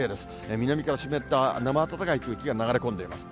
南からの湿ったなまあたたかい空気が流れ込んでいます。